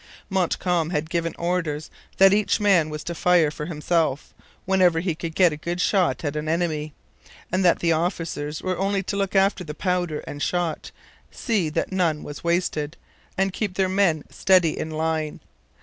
Montcalm had given orders that each man was to fire for himself, whenever he could get a good shot at an enemy; and that the officers were only to look after the powder and shot, see that none was wasted, and keep their men steady in line.